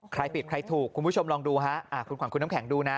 ใครผิดใครถูกคุณผู้ชมลองดูฮะคุณขวัญคุณน้ำแข็งดูนะ